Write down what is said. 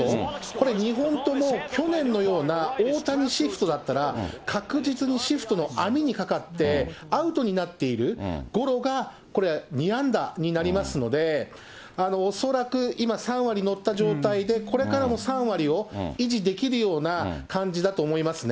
これ２本とも去年のような大谷シフトだったら、確実にシフトの網にかかって、アウトになっている、ゴロが２安打になりますので、恐らく今、３割乗った状態で、これからも３割を維持できるような感じだと思いますね。